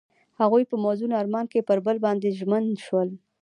هغوی په موزون آرمان کې پر بل باندې ژمن شول.